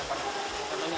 kita cari berapa banyak